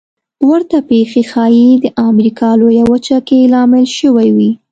ورته پېښې ښايي د امریکا لویه وچه کې لامل شوې وي.